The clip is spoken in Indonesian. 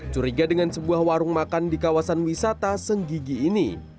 curiga dengan sebuah warung makan di kawasan wisata senggigi ini